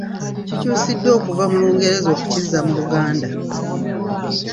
Kikyusiddwa okuva mu Lungereza okukizza mu Luganda.